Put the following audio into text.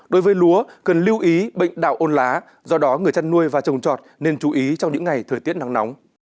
đối với lúa cần lưu ý bệnh đạo ôn lá do đó người chăn nuôi và trồng trọt nên chú ý trong những ngày thời tiết nắng nóng